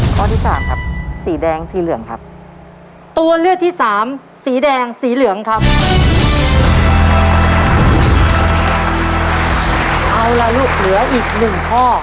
เจ้าแล้วลูกเหลืออีก๑ข้อ